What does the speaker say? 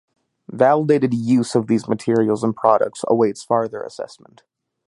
Validated use of these materials and products awaits further assessment.